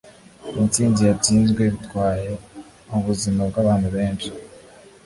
Intsinzi yatsinzwe bitwaye ubuzima bwabantu benshi